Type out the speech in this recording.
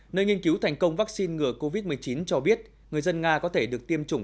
nơi nghiên cứu thành công vaccine ngừa covid một mươi chín cho biết người dân nga có thể được tiêm chủng